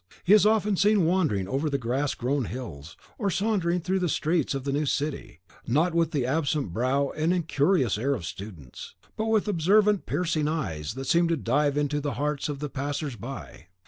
He is often seen wandering over the grass grown hills, or sauntering through the streets of the new city, not with the absent brow and incurious air of students, but with observant piercing eyes that seem to dive into the hearts of the passers by.